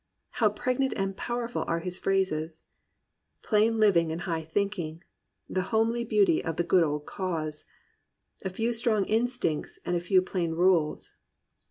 How pregnant and powerful are his phrases ! "Plain living and high thinking." "The homely beauty of the good old cause." "A few strong in stincts and a few plain rules."